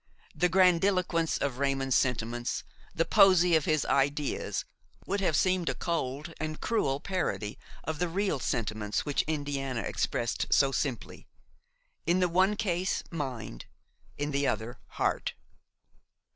The grandiloquence of Raymon's sentiments, the poesy of his ideas would have seemed a cold and cruel parody of the real sentiments which Indiana expressed so simply: in the one case mind, in the other heart.